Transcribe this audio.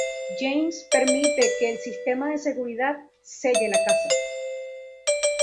James permite que el sistema de seguridad selle la casa.